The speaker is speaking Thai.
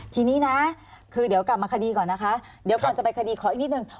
ทีนี้นะคือเดี๋ยวกลับมาคดีก่อนนะคะเดี๋ยวก่อนจะไปคดีขออีกนิดนึง